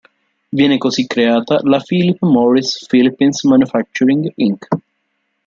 Viene così creata la Philip Morris Philippines Manufacturing Inc.